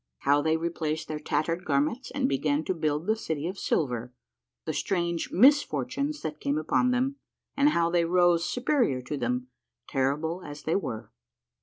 — HOW THEY RE PLACED THEIR TATTERED GARMENTS AND BEGAN TO BUILD THE CITY OF SILVER. — THE STRANGE MISFORTUNES THAT CAME UPON THEM, AND HOW THEY ROSE SUPERIOR TO THEM, TERRIBLE AS THEY WERE.